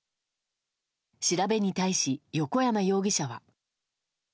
調べに対し横山容疑者は。